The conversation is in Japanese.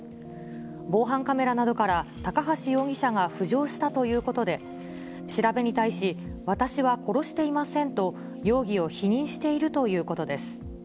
防犯カメラなどから、高橋容疑者が浮上したということで、調べに対し、私は殺していませんと、容疑を否認しているということです。